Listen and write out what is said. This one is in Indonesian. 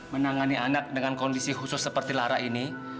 menangani anak dengan kondisi khusus seperti lara ini